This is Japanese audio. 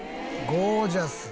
「ゴージャス」